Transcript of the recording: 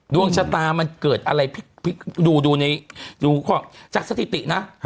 ดวงชะตามันเกิดอะไรดูจากสถิตินะ